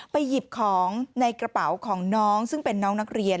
หยิบของในกระเป๋าของน้องซึ่งเป็นน้องนักเรียน